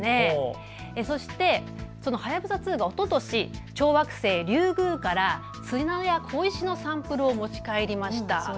そしてそのはやぶさ２がおととし小惑星リュウグウから砂や小石のサンプルを持ち帰りました。